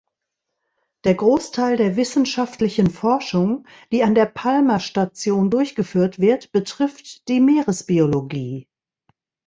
Der Großteil der wissenschaftlichen Forschung, die an der Palmer-Station durchgeführt wird, betrifft die Meeresbiologie.